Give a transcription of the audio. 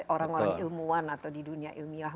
orang orang ilmuwan atau di dunia ilmiah